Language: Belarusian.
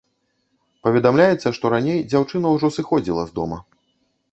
Паведамляецца, што раней дзяўчына ўжо сыходзіла з дома.